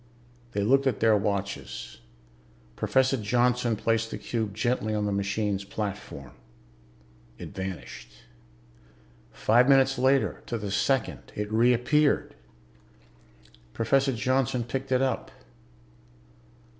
They looked at their watches. Professor Johnson placed the cube gently on the machine's platform. It vanished. Five minutes later, to the second, it reappeared. Professor Johnson picked it up.